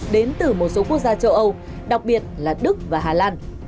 đến từ một số quốc gia châu âu đặc biệt là đức và hà lan